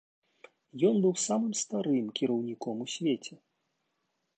Ён быў самым старым кіраўніком у свеце.